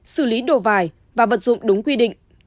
xử lý đồ vải và vật dụng đúng quy định